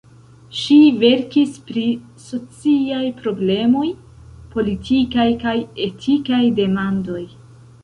Ŝi verkis pri sociaj problemoj, politikaj kaj etikaj demandoj.